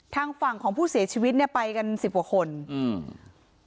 ทางฝั่งของผู้เสียชีวิตเนี้ยไปกันสิบกว่าคนอืม